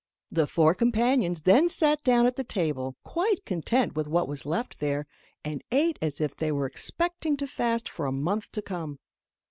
The four companions then sat down at the table, quite content with what was left there, and ate as if they were expecting to fast for a month to come.